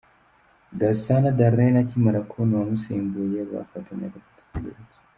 Gasana Darlene akimara kubona umusimbuye bafatanye agafoto k'urwibutso.